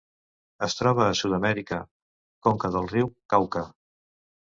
Es troba a Sud-amèrica: conca del riu Cauca.